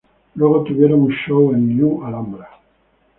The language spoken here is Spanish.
Luego tuvieron un show en New Alhambra.